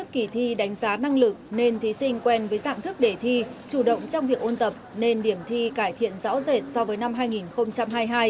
kỳ thi đánh giá năng lực nên thí sinh quen với dạng thức để thi chủ động trong việc ôn tập nên điểm thi cải thiện rõ rệt so với năm hai nghìn hai mươi hai